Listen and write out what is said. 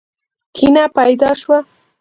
کینه پیدا شوه.